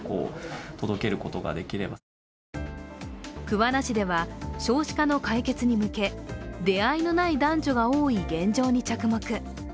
桑名市では少子化の解決に向け、出会いのない男女が多い現状に着目。